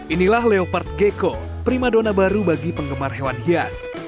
inilah leopard gecko primadona baru bagi penggemar hewan hias